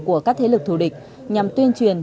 của các thế lực thủ địch nhằm tuyên truyền